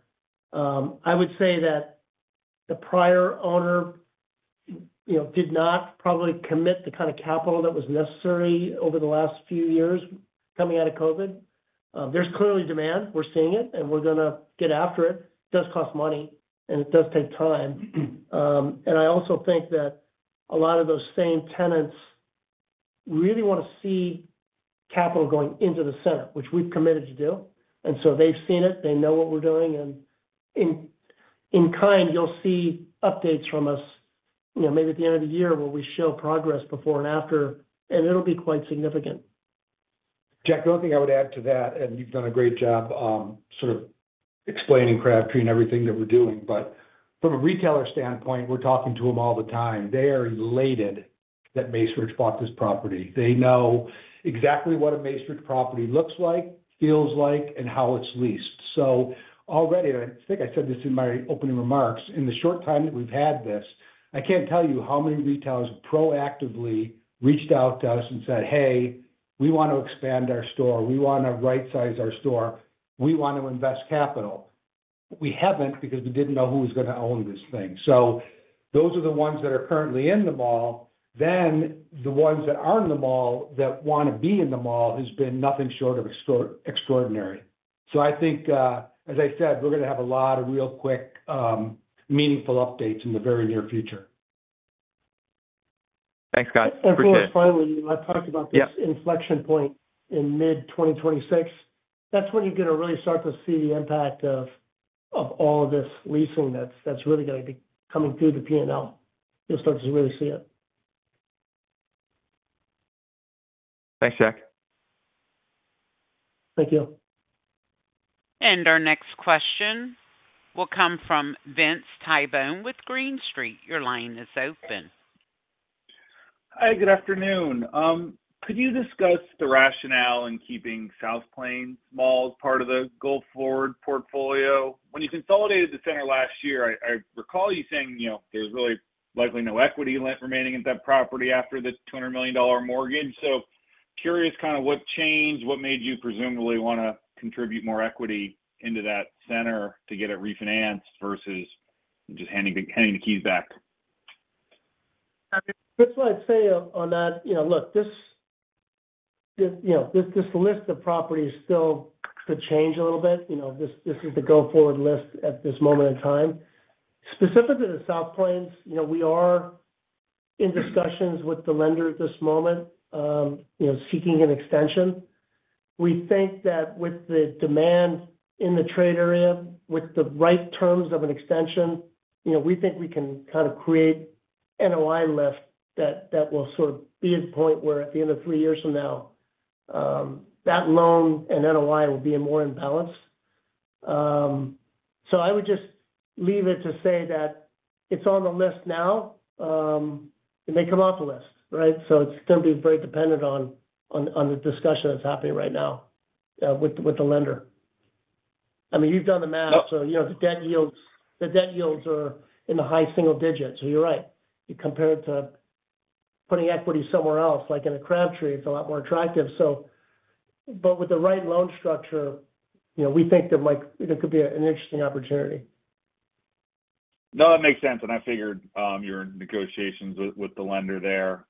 I would say that the prior owner did not probably commit the kind of capital that was necessary over the last few years coming out of COVID. There's clearly demand. We're seeing it, and we're going to get after it. It does cost money, and it does take time. I also think that a lot of those same tenants really want to see capital going into the center, which we've committed to do. They've seen it. They know what we're doing. In kind, you'll see updates from us, maybe at the end of the year where we show progress before and after, and it'll be quite significant. Jack, the only thing I would add to that, and you've done a great job sort of explaining Crabtree and everything that we're doing, but from a retailer standpoint, we're talking to them all the time. They are elated that Macerich bought this property. They know exactly what a Macerich property looks like, feels like, and how it's leased. Already, I think I said this in my opening remarks, in the short time that we've had this, I can't tell you how many retailers proactively reached out to us and said, "Hey, we want to expand our store. We want to right-size our store. We want to invest capital." We haven't because we didn't know who was going to own this thing. Those are the ones that are currently in the mall. The ones that aren't in the mall that want to be in the mall has been nothing short of extraordinary. I think, as I said, we're going to have a lot of real quick, meaningful updates in the very near future. Thanks, guys. Of course, finally, I've talked about this inflection point in mid-2026. That's when you're going to really start to see the impact of all of this leasing that's really going to be coming through the P&L. You'll start to really see it. Thanks, Jack. Thank you. Our next question will come from Vince Tibone with Green Street. Your line is open. Hi, good afternoon. Could you discuss the rationale in keeping South Park part of the Go-Forward Portfolio? When you consolidated the center last year, I recall you saying, you know, there's really likely no equity remaining in that property after the $200 million mortgage. Curious kind of what changed, what made you presumably want to contribute more equity into that center to get it refinanced versus just handing the keys back? Just what I say on that, you know, look, this, you know, this list of properties still could change a little bit. This is the Go-Forward Portfolio list at this moment in time. Specifically to the South Park, we are in discussions with the lender at this moment, seeking an extension. We think that with the demand in the trade area, with the right terms of an extension, we think we can kind of create an NOI lift that will sort of be at the point where at the end of three years from now, that loan and NOI will be more imbalanced. I would just leave it to say that it's on the list now. It may come off the list, right? It is going to be very dependent on the discussion that's happening right now with the lender. I mean, you've done the math. The debt yields are in the high single digits. You're right. You compare it to putting equity somewhere else, like in a Crabtree, it's a lot more attractive. With the right loan structure, we think that it could be an interesting opportunity. No, that makes sense. I figured your negotiations with the lender there.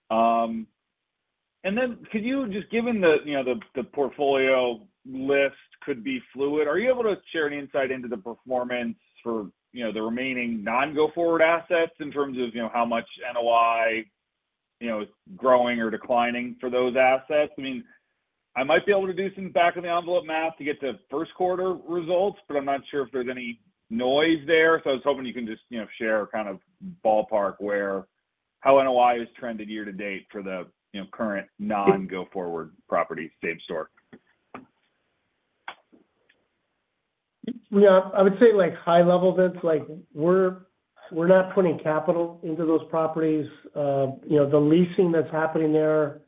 Could you, given the portfolio list could be fluid, share an insight into the performance for the remaining non-Go-Forward assets in terms of how much NOI is growing or declining for those assets? I might be able to do some back-of-the-envelope math to get to first quarter results, but I'm not sure if there's any noise there. I was hoping you can just share kind of ballpark where how NOI has trended year to date for the current non-Go-Forward properties stage store. Yeah, I would say high-level that's like we're not putting capital into those properties. The leasing that's happening there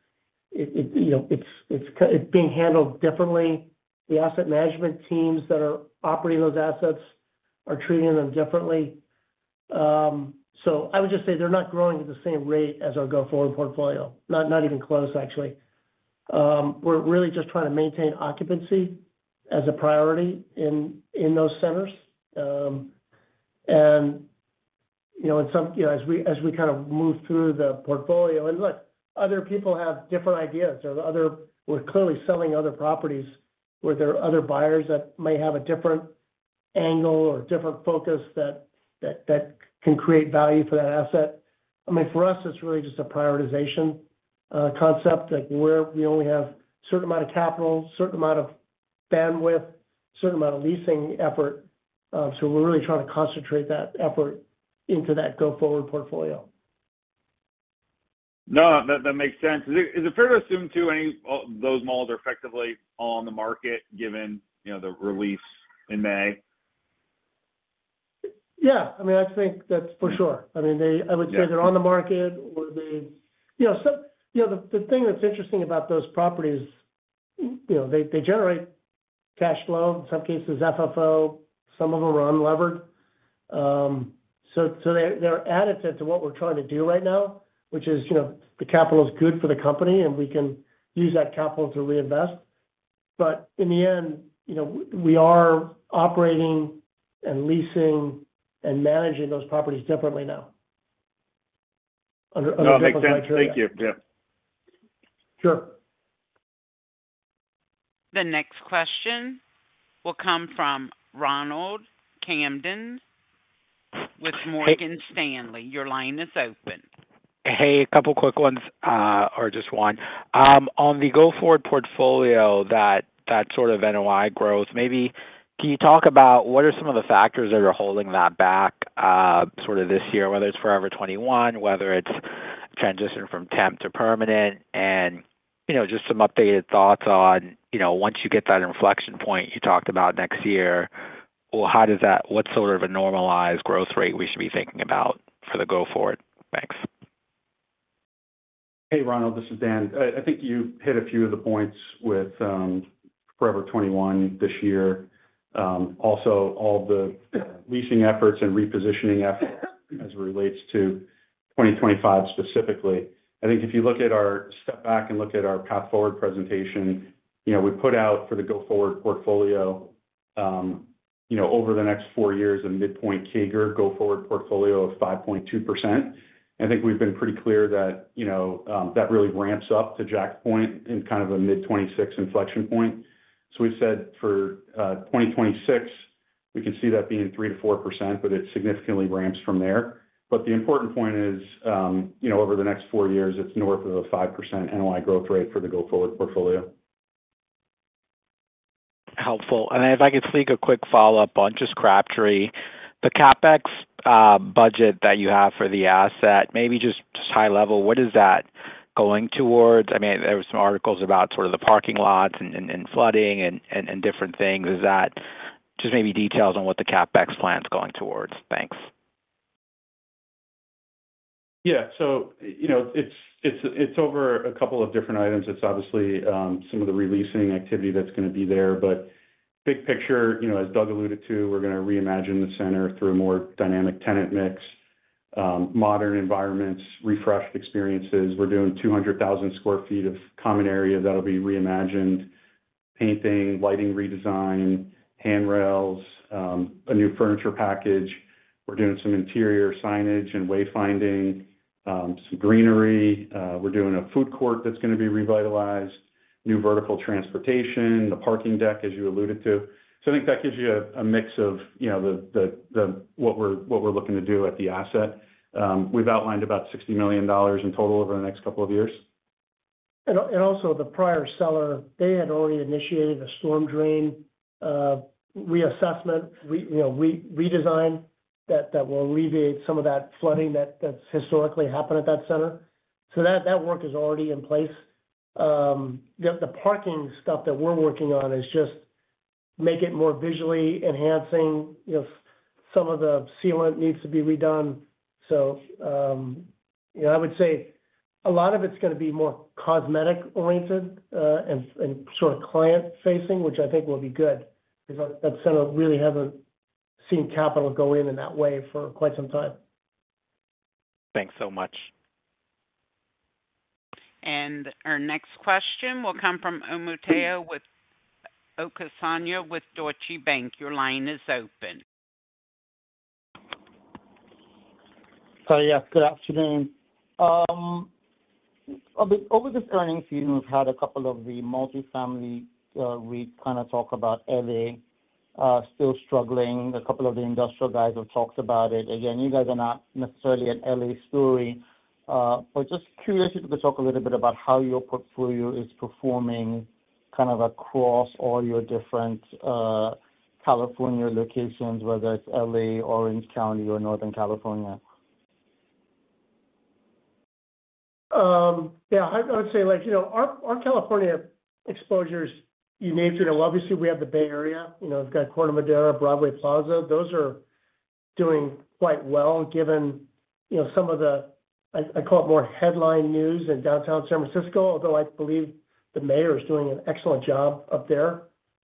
is being handled differently. The asset management teams that are operating those assets are treating them differently. I would just say they're not growing at the same rate as our Go-Forward Portfolio, not even close, actually. We're really just trying to maintain occupancy as a priority in those centers. In some, as we kind of move through the portfolio, other people have different ideas. We're clearly selling other properties where there are other buyers that may have a different angle or a different focus that can create value for that asset. For us, it's really just a prioritization concept that we only have a certain amount of capital, a certain amount of bandwidth, a certain amount of leasing effort. We're really trying to concentrate that effort into that Go-Forward Portfolio. No, that makes sense. Is it fair to assume too any of those malls are effectively on the market given, you know, the release in May? Yeah, I mean, I think that's for sure. I would say they're on the market. The thing that's interesting about those properties is they generate cash flow. In some cases, FFO, some of them are unlevered. They're additive to what we're trying to do right now, which is, you know, the capital is good for the company, and we can use that capital to reinvest. In the end, we are operating and leasing and managing those properties differently now. Thank you, Jeff. Sure. The next question will come from Ronald Kamden with Morgan Stanley. Your line is open. Hey, a couple of quick ones, or just one. On the Go-Forward Portfolio, that sort of NOI growth, maybe can you talk about what are some of the factors that are holding that back this year, whether it's Forever 21, whether it's transition from temp to permanent, and you know, just some updated thoughts on, you know, once you get that inflection point you talked about next year, how does that, what sort of a normalized growth rate we should be thinking about for the Go-Forward? Thanks. Hey, Ronald, this is Dan. I think you've hit a few of the points with Forever 21 this year. Also, all the leasing efforts and repositioning efforts as it relates to 2025 specifically. I think if you step back and look at our Path-Forward presentation, you know, we put out for the Go-Forward Portfolio, over the next four years, a midpoint CAGR Go-Forward Portfolio of 5.2%. I think we've been pretty clear that, you know, that really ramps up to Jack's point in kind of a mid-2026 inflection point. We've said for 2026, we could see that being 3%-4%, but it significantly ramps from there. The important point is, over the next four years, it's north of a 5% NOI growth rate for the Go-Forward Portfolio. Helpful. If I could sneak a quick follow-up on just Crabtree, the CapEx budget that you have for the asset, maybe just high level, what is that going towards? There were some articles about the parking lots and flooding and different things. Is that just maybe details on what the CapEx plan is going towards? Thanks. Yeah, it's over a couple of different items. It's obviously some of the releasing activity that's going to be there, but big picture, as Doug alluded to, we're going to reimagine the center through a more dynamic tenant mix, modern environments, refreshed experiences. We're doing 200,000 sq ft of common area that'll be reimagined, painting, lighting redesign, handrails, a new furniture package. We're doing some interior signage and wayfinding, some greenery. We're doing a food court that's going to be revitalized, new vertical transportation, the parking deck, as you alluded to. I think that gives you a mix of what we're looking to do at the asset. We've outlined about $60 million in total over the next couple of years. The prior seller had already initiated a storm drain reassessment, a redesign that will alleviate some of that flooding that's historically happened at that center. That work is already in place. The parking stuff that we're working on is just to make it more visually enhancing. Some of the sealant needs to be redone. I would say a lot of it's going to be more cosmetic-oriented and sort of client-facing, which I think will be good because that center really hasn't seen capital go in in that way for quite some time. Thanks so much. Our next question will come from Omotayo Okusanya with Deutsche Bank. Your line is open. Yeah, good afternoon. Over this starting season, we've had a couple of the multifamily REITs kind of talk about L.A. still struggling. A couple of the industrial guys have talked about it. You guys are not necessarily an L.A. story, but just curious if you could talk a little bit about how your portfolio is performing across all your different California locations, whether it's L.A., Orange County, or Northern California. Yeah, I would say our California exposure is unique. Obviously, we have the Bay Area, we've got Coronavidara, Broadway Plaza. Those are doing quite well given some of the, I call it more headline news in downtown San Francisco, although I believe the mayor is doing an excellent job up there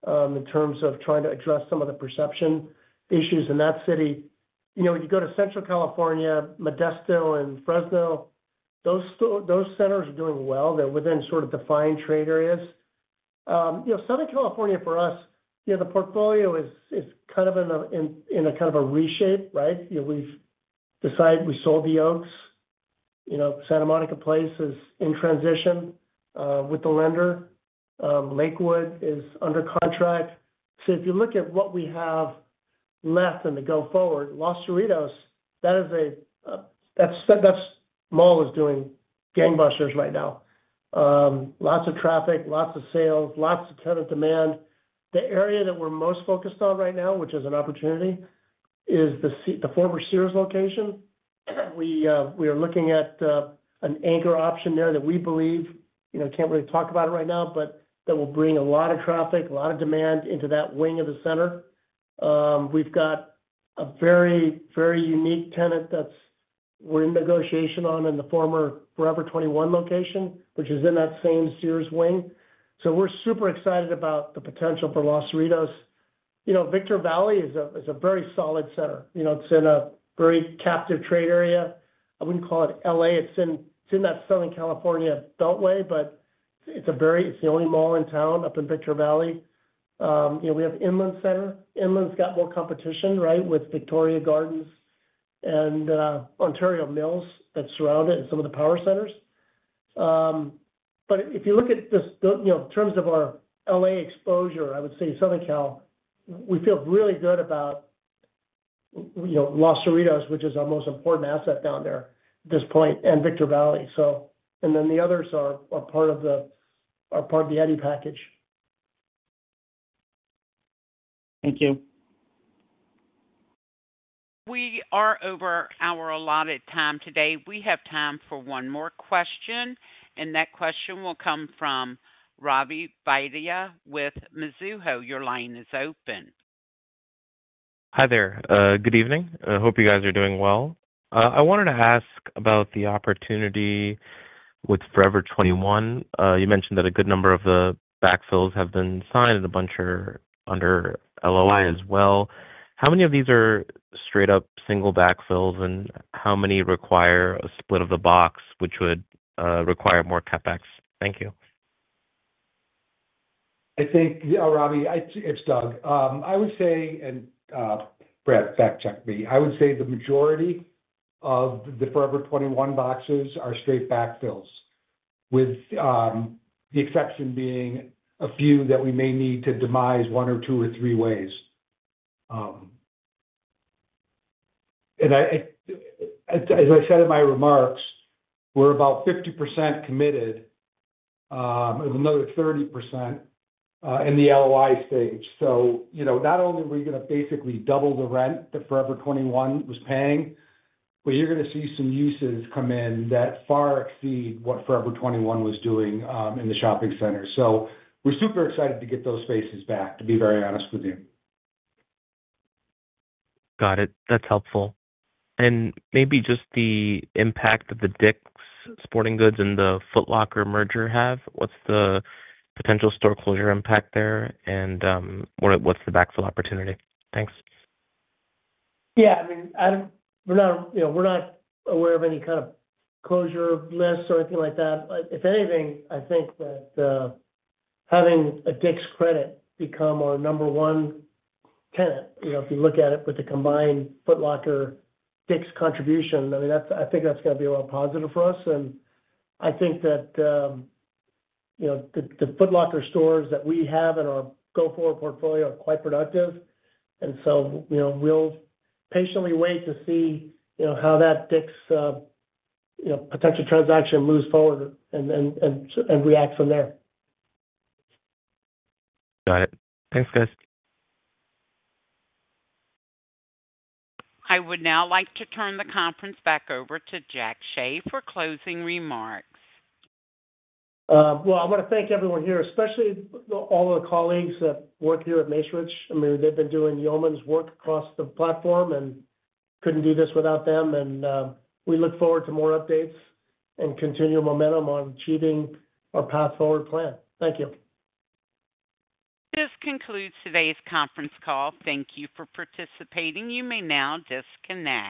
in terms of trying to address some of the perception issues in that city. When you go to Central California, Modesto and Fresno, those centers are doing well. They're within sort of defined trade areas. Southern California for us, the portfolio is kind of in a reshape. We've decided we sold The Oaks. Santa Monica Place is in transition with the lender. Lakewood is under contract. If you look at what we have left in the Go-Forward, Los Cerritos, that mall is doing gangbusters right now. Lots of traffic, lots of sales, lots of tenant demand. The area that we're most focused on right now, which is an opportunity, is the former Sears location. We are looking at an anchor option there that we believe, can't really talk about it right now, but that will bring a lot of traffic, a lot of demand into that wing of the center. We've got a very, very unique tenant that we're in negotiation on in the former Forever 21 location, which is in that same Sears wing. We're super excited about the potential for Los Cerritos. Victor Valley is a very solid center. It's in a very captive trade area. I wouldn't call it L.A.. It's in that Southern California Beltway, but it's the only mall in town up in Victor Valley. We have Inland Center. Inland's got more competition with Victoria Gardens and Ontario Mills that surround it and some of the power centers. If you look at this in terms of our L.A. exposure, I would say Southern Cal, we feel really good about Los Cerritos, which is our most important asset down there at this point, and Victor Valley. The others are part of the Eddy package. Thank you. We are over our allotted time today. We have time for one more question, and that question will come from Ravi Vaidya with Mizuho. Your line is open. Hi there. Good evening. I hope you guys are doing well. I wanted to ask about the opportunity with Forever 21. You mentioned that a good number of the backfills have been signed and a bunch are under LOI as well. How many of these are straight-up single backfills, and how many require a split of the box, which would require more CapEx? Thank you. I think, yeah, Ravi, it's Doug. I would say, and Brett, fact-check me, I would say the majority of the Forever 21 boxes are straight backfills, with the exception being a few that we may need to demise one or two or three ways. As I said in my remarks, we're about 50% committed, with another 30% in the LOI stage. Not only are we going to basically double the rent that Forever 21 was paying, but you're going to see some uses come in that far exceed what Forever 21 was doing in the shopping center. We're super excited to get those spaces back, to be very honest with you. Got it. That's helpful. Maybe just the impact that the Dick's Sporting Goods and the Foot Locker merger have. What's the potential store closure impact there, and what's the backfill opportunity? Thanks. Yeah, I mean, we're not aware of any kind of closure lists or anything like that. If anything, I think that having a Dick's credit become our number one tenant, you know, if you look at it with the combined Foot Locker-Dick's contribution, I think that's going to be a lot positive for us. I think that, you know, the Foot Locker stores that we have in our Go-Forward Portfolio are quite productive. We'll patiently wait to see how that Dick's, you know, potential transaction moves forward and reacts from there. Got it. Thanks, guys. I would now like to turn the conference back over to Jack Hsieh for closing remarks. I want to thank everyone here, especially all of the colleagues that work here at Macerich. I mean, they've been doing yeoman's work across the platform and couldn't do this without them. We look forward to more updates and continual momentum on achieving our Path-Forward plan. Thank you. This concludes today's conference call. Thank you for participating. You may now disconnect.